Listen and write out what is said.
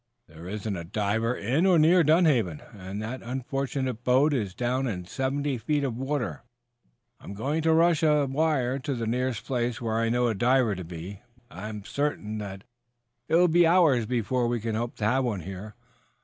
"There isn't a diver in or near Dunhaven, and that unfortunate boat is down in seventy feet of water. I'm going to rush a wire to the nearest place where I know a diver to be, but I I am certain that it will be hours before we can hope to have one here.